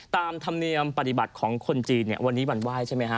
ตามธรรมเนียมปฏิบัติของคนจีนเนี่ยวันนี้วันไหว้ใช่ไหมฮะ